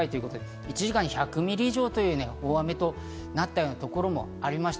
１時間に１００ミリ以上という大雨となったところもありました。